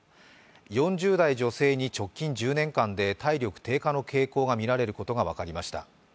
４０代女性に直近１０年間で体力低下の傾向がみられることがわかりました。